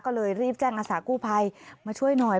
ก็เลยรีบแจ้งอาสากู้ภัยมาช่วยหน่อย